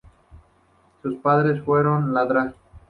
Sus padres fueron la Dra.